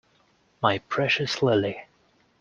My precious Lily!